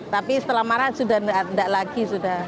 tapi setelah marah sudah tidak lagi sudah